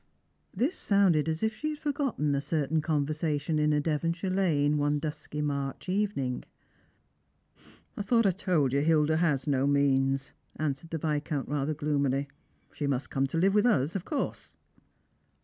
This sounded as if she had forgotten a certain conversation in a Devonshire lane one dusky March evening. " I thought I told you that Hilda had no means," answered the Viscount rather gloomily. " She must come to Hve with ns, of course."